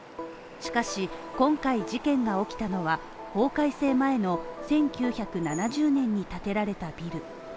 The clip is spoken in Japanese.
しかし、今回事件が起きたのは、法改正前の１９７０年に建てられたビル。